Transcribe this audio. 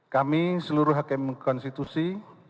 kami seluruh hakim konstitusi